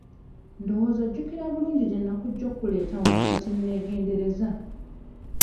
Ndowooza ojjukira bulungi gye nakujja okkuleeta wano kati neegendereza.